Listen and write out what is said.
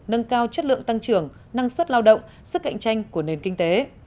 nâng cao chất lượng tăng trưởng năng suất lao động sức cạnh tranh của nền kinh tế